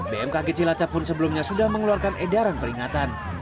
bmk kecilacapun sebelumnya sudah mengeluarkan edaran peringatan